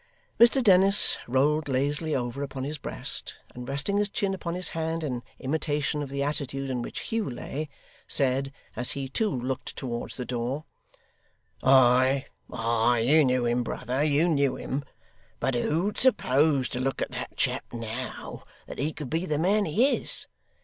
Mr Dennis rolled lazily over upon his breast, and resting his chin upon his hand in imitation of the attitude in which Hugh lay, said, as he too looked towards the door: 'Ay, ay, you knew him, brother, you knew him. But who'd suppose to look at that chap now, that he could be the man he is!